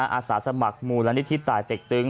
อาสาสมัครมูลนิธิตายเต็กตึง